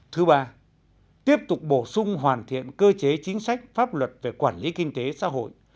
thứ ba tiếp tục bổ sung hoàn thiện cơ chế chính sách pháp luật về quản lý kinh tế xã hội